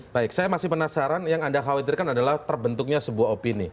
baik saya masih penasaran yang anda khawatirkan adalah terbentuknya sebuah opini